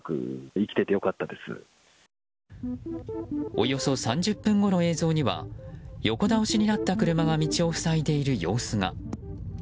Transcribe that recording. およそ３０分後の映像には横倒しになった車が道を塞いでいる様子が。